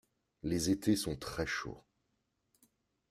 Les étés sont très chauds.